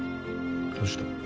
どうした？